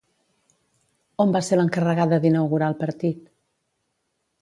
On va ser l'encarregada d'inaugurar el partit?